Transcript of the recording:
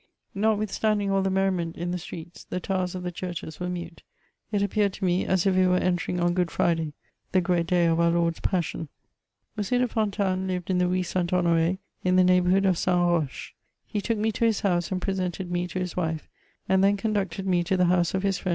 Notwithstanding all the ^ merriment in the streets, the towers of the churches were mute; it appeared to me as if we were entering on Good Fri day, the great day of our Lord's passion. M. de Fontanes lived in the Rue St. Honor^, in the neigh bourhood of Saint Roch. He took me to his house, and presented me to his wife, and then conducted me to the house of his friend, M.